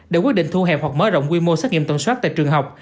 để quyết định thu hẹp hoặc mở rộng quy mô xét nghiệm tổn soát tại trường học